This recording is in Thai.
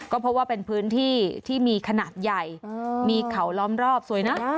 ก็เพราะว่าเป็นพื้นที่ที่มีขนาดใหญ่มีเขาล้อมรอบสวยนะ